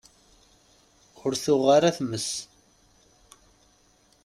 Ur tuɣ ara tmes.